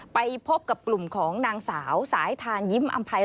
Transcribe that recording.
ไปพบกับกลุ่มของนางสาวสายทานยิ้มอำภัย